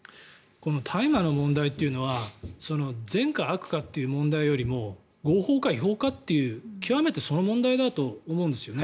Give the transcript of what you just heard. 大麻の問題っていうのは善か、悪かっていう問題よりも合法か違法かという極めてその問題だと思うんですよね。